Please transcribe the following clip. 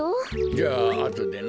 じゃああとでな。